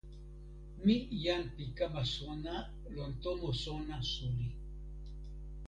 mi jan pi kama sona lon tomo sona suli.